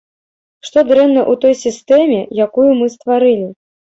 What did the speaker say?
Што дрэнна ў той сістэме, якую мы стварылі?